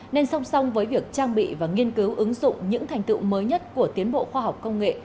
nên song song với việc trang bị và nghiên cứu ứng dụng những thành tựu mới nhất của tiến bộ khoa học công nghệ